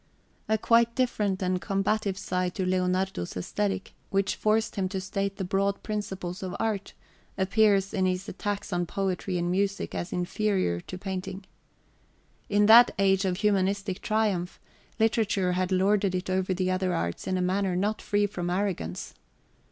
A quite different and combative side to Leonardo's aesthetic, which forced him to state the broad principles of art, appears in his attacks on poetry and music as inferior to painting. In that age of humanistic triumph, literature had lorded it over the other arts in a manner not free from arrogance.